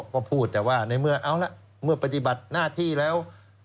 ก็พูดแต่ว่าในเมื่อเอาละเมื่อปฏิบัติหน้าที่แล้ว